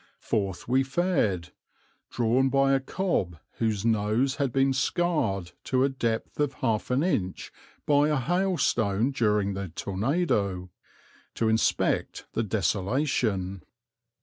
Forth we fared drawn by a cob whose nose had been scarred to a depth of half an inch by a hailstone during the tornado to inspect the desolation.